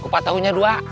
kupat taunya dua